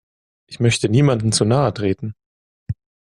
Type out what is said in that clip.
Ich möchte niemandem zu nahe treten.